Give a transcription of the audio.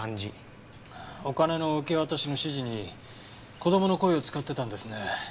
お金の受け渡しの指示に子供の声を使ってたんですね。